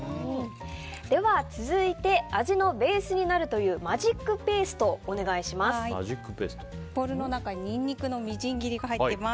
では続いて味のベースになるというマジックペーストをお願いします。